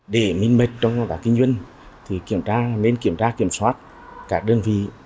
để minh mệt trong công tác kinh doanh nên kiểm tra kiểm soát các đơn vị